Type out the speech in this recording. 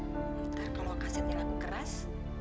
nanti kalau kasetnya laku keras